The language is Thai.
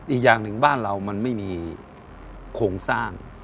อีกอย่างหนึ่งบ้านเรามันไม่มีโครงสร้าง